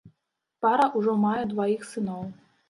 Пара ўжо мае дваіх сыноў.